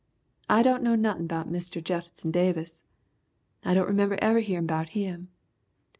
I don't know nothin' 'bout Mr. Jef'son Davis, I don't remember ever hearin' 'bout him.